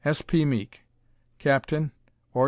S. P. Meek, Capt., Ord.